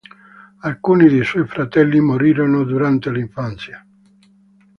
Alcuni dei suoi fratelli morirono durante l'infanzia.